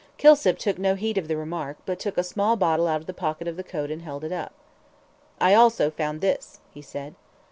Kilsip took no heed of the remark, but took a small bottle out of the pocket of the coat and held it up. "I also found this," he said.